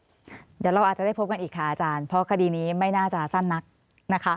เดี๋ยวเราอาจจะได้พบกันอีกค่ะอาจารย์เพราะคดีนี้ไม่น่าจะสั้นนักนะคะ